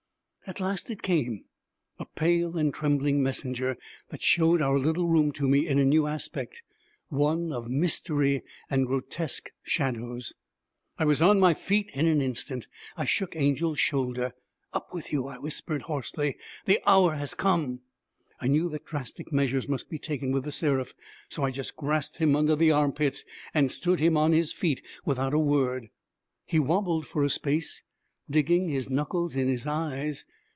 At last it came a pale and trembling messenger, that showed our little room to me in a new aspect one of mystery and grotesque shadows. I was on my feet in an instant. I shook Angel's shoulder. 'Up with you!' I whispered, hoarsely. 'The hour has come!' I knew that drastic measures must be taken with The Seraph, so I just grasped him under the armpits and stood him on his feet without a word. He wobbled for a space, digging his knuckles in his eyes.